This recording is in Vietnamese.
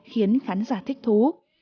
khiến khán giả thích thú